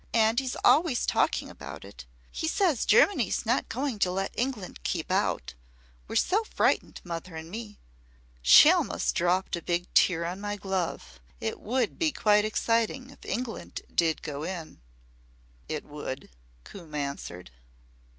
And he's always talking about it. He says Germany's not going to let England keep out. We're so frightened mother and me.' She almost dropped a big tear on my glove. It would be quite exciting if England did go in." "It would," Coombe answered.